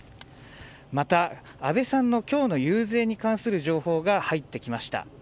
また、安倍さんの今日の遊説に関する情報が入ってきました。